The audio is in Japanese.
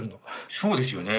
そうですよね。